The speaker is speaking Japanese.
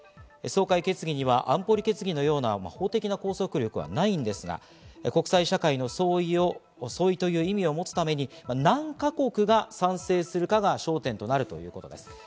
総会決議には安保理決議のような法的な拘束力はないんですが、国際社会の総意総意という意味を持つために何か国が賛成するかが焦点となるということです。